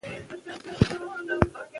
د قانون ماتول مشروع نه دي.